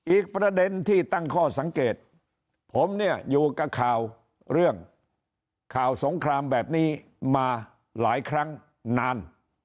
อีกประเด็นที่ตั้งข้อสังเกตผมเนี่ยอยู่กับข่าวเรื่องข่าวสงครามแบบนี้มาหลายครั้งนาน